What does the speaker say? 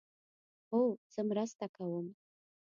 هو، زه مرسته کوم